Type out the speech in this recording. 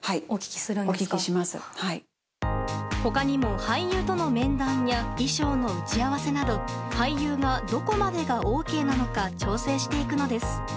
他にも俳優との面談や衣装の打ち合わせなど俳優がどこまでがＯＫなのか調整していくのです。